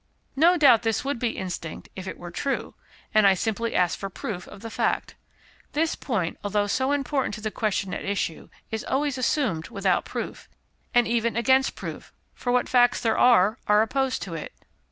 No doubt this would be instinct if it were true, and I simply ask for proof of the fact. This point, although so important to the question at issue, is always assumed without proof, and even against proof, for what facts there are, are opposed to it.